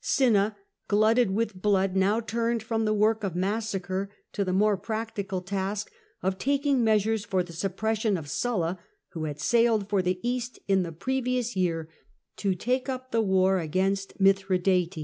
Cinna, glutted with blood, now turned from the work of massacre to the more practical task of taking measures for the suppression of Sulla, who had sailed for the East in the previous year to take up the war against Mithradates.